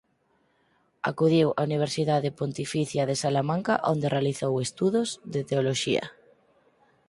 Acudiu á Universidade Pontificia de Salamanca onde realizou estudos de Teoloxía.